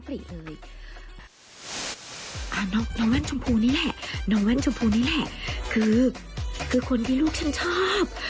กินงานว่างชมพูนี้แหละคือคนที่ลูกฉันชอบ